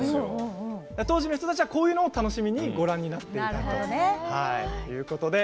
当時の人たちはこういうのを楽しみにご覧になっていたんですね。